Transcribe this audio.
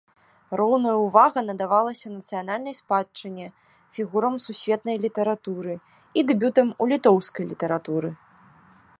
Роўная ўвага надавалася нацыянальнай спадчыне, фігурам сусветнай літаратуры і дэбютам у літоўскай літаратуры.